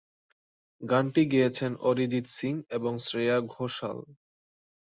গানটি গেয়েছেন অরিজিৎ সিং এবং শ্রেয়া ঘোষাল।